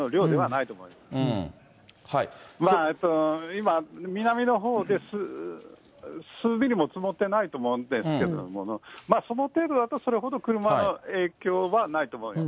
今、南のほうで数ミリも積もってないと思うんですけれども、その程度だと、それほど車の影響はないと思います。